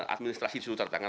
administrasi disuruh tertanggat